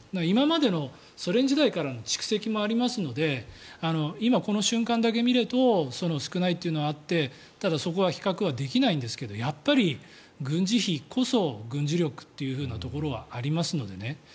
今までのソ連時代からの蓄積もありますので今この瞬間だけ見ると少ないというのはあってそこは比較ができないんですがやっぱり、軍事費こそ軍事力というところはありますのでね。